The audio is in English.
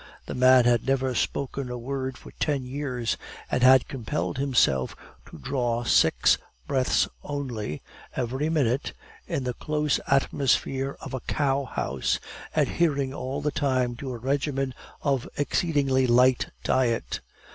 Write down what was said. The man had never spoken a word for ten years, and had compelled himself to draw six breaths only, every minute, in the close atmosphere of a cow house, adhering all the time to a regimen of exceedingly light diet.